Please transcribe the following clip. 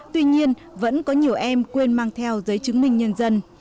tuy nhiên vẫn có nhiều em quên mang theo giấy chứng minh nhân dân